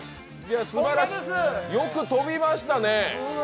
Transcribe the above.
よく飛びましたね。